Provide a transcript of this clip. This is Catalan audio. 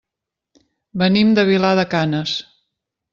Venim de Vilar de Canes.